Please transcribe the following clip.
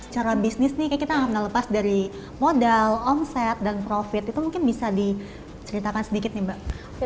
cara bisnis ini kita nggak pernah lepas dari modal omset dan profit itu mungkin bisa diceritakan sedikit nih mbak